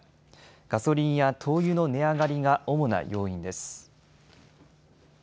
ガソリンや灯油の値上がりが主な要因です。